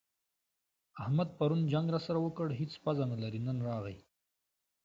احمد پرون جنګ راسره وکړ؛ هيڅ پزه نه لري - نن راغی.